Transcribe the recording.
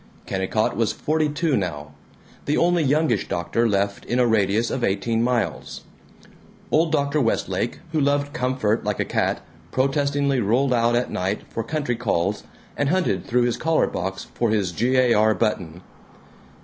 Kennicott was forty two now; the only youngish doctor left in a radius of eighteen miles. Old Dr. Westlake, who loved comfort like a cat, protestingly rolled out at night for country calls, and hunted through his collar box for his G. A. R. button.